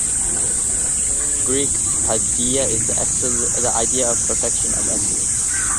Greek paideia is the idea of perfection, of excellence.